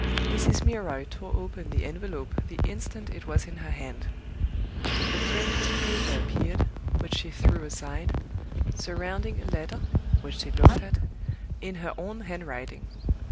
Mrs. Milroy tore open the envelope the instant it was in her hand. A printed paper appeared (which she threw aside), surrounding a letter (which she looked at) in her own handwriting!